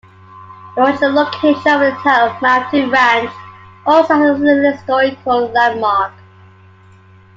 The original location of the town of Mountain Ranch also has a historical landmark.